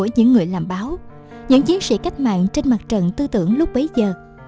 những người làm báo những chiến sĩ cách mạng trên mặt trận tư tưởng lúc bấy giờ